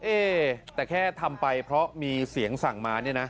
เอ๊แต่แค่ทำไปเพราะมีเสียงสั่งมาเนี่ยนะ